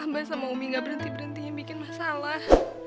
abang sama umi gak berhenti berhenti yang bikin masalah